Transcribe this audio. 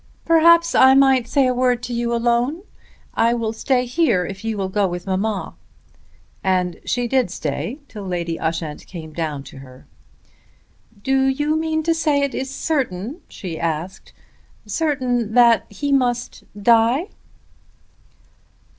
"Perhaps I might say a word to you alone? I will stay here if you will go with mamma." And she did stay till Lady Ushant came down to her. "Do you mean to say it is certain," she asked, "certain that he must die?"